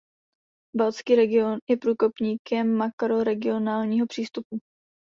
Baltský region je průkopníkem makroregionálního přístupu.